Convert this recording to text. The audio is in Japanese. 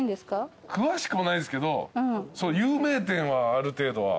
詳しくもないですけど有名店はある程度は。